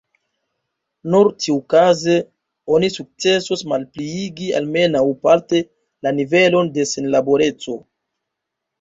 Nur tiuokaze oni sukcesos malpliigi almenaŭ parte la nivelon de senlaboreco.